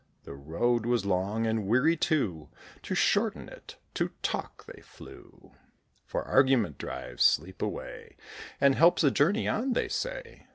The road was long, and weary too: To shorten it, to talk they flew. For argument drives sleep away, And helps a journey on, they say.